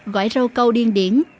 gỏi rau câu điên điển